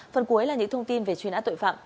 phần cuối là những thông tin về truy nã tội phạm